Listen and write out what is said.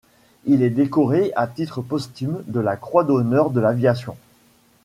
Il est décoré à titre posthume de la Croix d'Honneur de l'aviation.